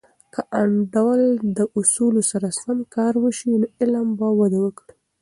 که د انډول د اصولو سره سم کار وسي، نو علم به وده وکړي.